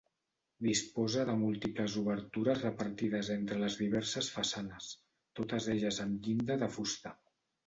Disposa de múltiples obertures repartides entre les diverses façanes, totes elles amb llinda de fusta.